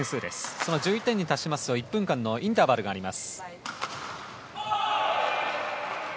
その１１点に達しますと１分間のインターバルがあります。